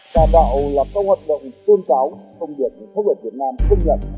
tà đạo lập công hoạt động tuân cáo thông viện thông viện việt nam